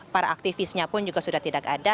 para aktivisnya pun juga sudah tidak ada